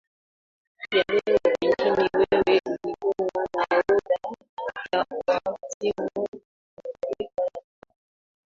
ya leo pengine wewe ulikuwa nahodha wa timu ya taifa ya tanzania